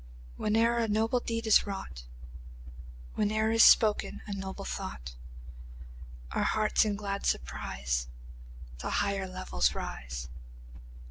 JACOB A. RIIS Whene'er a noble deed is wrought, Whene'er is spoken a noble thought, Our hearts in glad surprise To higher levels rise.